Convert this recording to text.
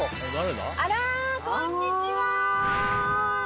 あらー、こんにちは。